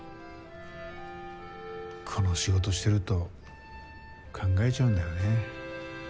この仕事してると考えちゃうんだよね。